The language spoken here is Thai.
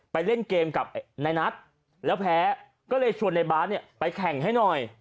เล่นเกมกับในนัทแล้วแพ้ก็เลยชวนในบาสเนี่ยไปแข่งให้หน่อย